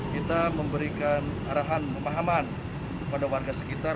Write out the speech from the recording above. kita memberikan arahan pemahaman kepada warga sekitar